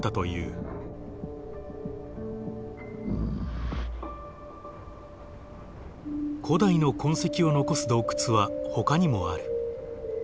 古代の痕跡を残す洞窟はほかにもある。